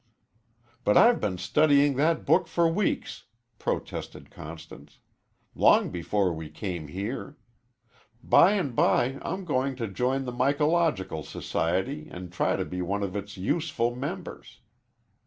"But I've been studying that book for weeks," protested Constance, "long before we came here. By and by I'm going to join the Mycological Society and try to be one of its useful members."